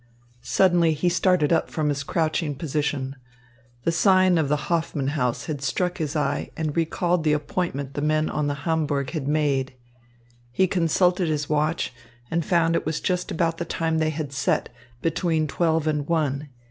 Suddenly he started up from his crouching position. The sign of the Hoffman House had struck his eye and recalled the appointment the men on the Hamburg had made. He consulted his watch, and found it was just about the time they had set, between twelve and one.